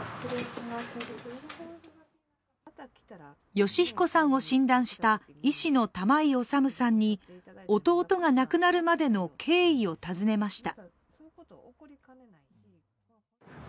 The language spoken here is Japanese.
善彦さんを診断した医師の玉井修さんに弟が亡くなるまでの経緯を尋ねました。